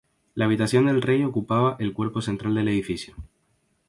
La habitación del rey ocupaba el cuerpo central del edificio.